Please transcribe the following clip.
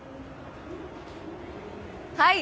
はい！